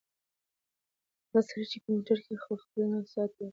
هغه سړی چې په موټر کې و خپل ساعت ته وکتل.